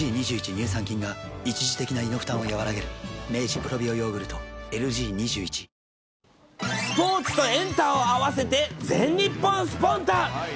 乳酸菌が一時的な胃の負担をやわらげるスポーツとエンタを合わせて全日本スポンタっ！